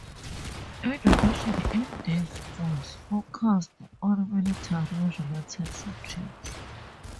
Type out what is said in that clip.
Education in these schools focused on military related subjects.